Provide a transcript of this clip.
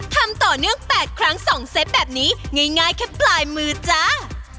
ทำต่อเนื่อง๘ครั้ง๒เซตแบบนี้ง่ายแค่ปลายมือจ้า